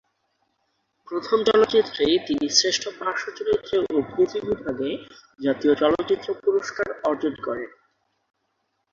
প্রথম চলচ্চিত্রেই তিনি শ্রেষ্ঠ পার্শ্বচরিত্রে অভিনেত্রী বিভাগে জাতীয় চলচ্চিত্র পুরস্কার অর্জন করেন।